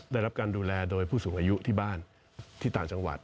ได้รับการดูแลโดยผู้สูงอายุที่บ้านที่ต่างจังหวัด